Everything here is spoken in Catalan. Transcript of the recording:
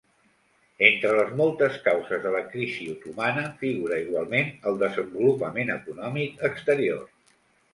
Entre les moltes causes de la crisi otomana, figura igualment el desenvolupament econòmic exterior.